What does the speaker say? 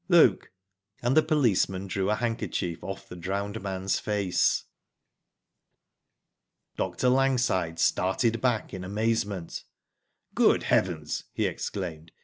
Look !" and the policeman drew a handkerchief off the drowned man's face. Dr. Langside started back in amazement. *' Good heavens !" he exclaimed.